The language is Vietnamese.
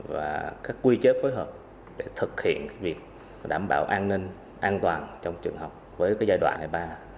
và các quy chế phối hợp để thực hiện việc đảm bảo an ninh an toàn trong trường học với giai đoạn ngày ba hai mươi tám